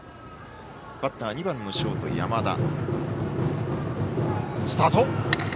バッター２番のショート山田。